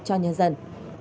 cho nhân dân